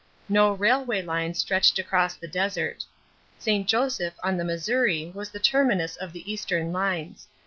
No railway line stretched across the desert. St. Joseph on the Missouri was the terminus of the Eastern lines.